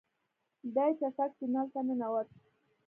دی چټک تونل ته ننوت.